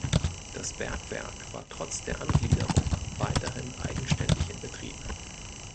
Das Bergwerk war trotz der Angliederung weiterhin eigenständig in Betrieb.